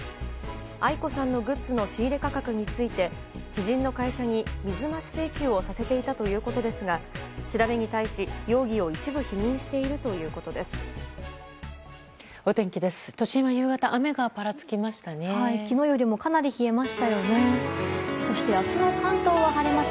ａｉｋｏさんのグッズの仕入れ価格について知人の会社に水増し請求をさせていたということですが調べに対し、容疑を一部否認しているということです。